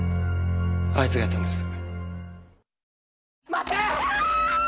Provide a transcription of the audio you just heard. あいつがやったんです。